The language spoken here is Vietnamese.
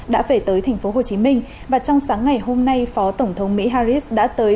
đã về tới thành phố hồ chí minh và trong sáng ngày hôm nay phó tổng thống mỹ harris đã tới